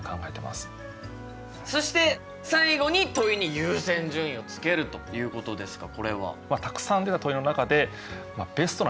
そして最後に「問いに優先順位をつける」ということですがこれは？